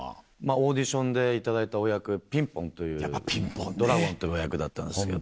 オーディションで頂いたお役『ピンポン』というドラゴンという役だったんですけど。